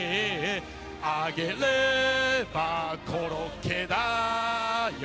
「揚げればコロッケだよ」